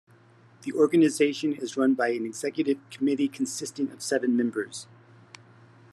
The organisation is run by an Executive Committee consisting of seven members.